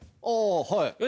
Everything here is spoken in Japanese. あはい。